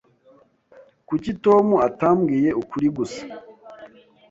Kuki Tom atambwiye ukuri gusa?